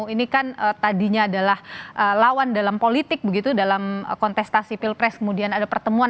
ini kan tadinya adalah lawan dalam politik begitu dalam kontestasi pilpres kemudian ada pertemuan